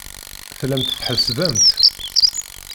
Tellamt tḥessbemt.